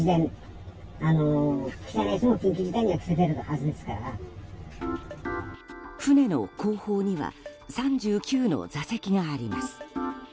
船の後方には３９の座席があります。